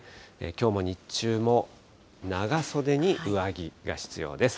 きょうも日中も長袖に上着が必要です。